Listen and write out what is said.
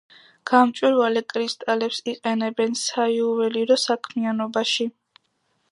გამჭვირვალე კრისტალებს იყენებენ საიუველირო საქმიანობაში.